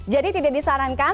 jadi tidak disarankan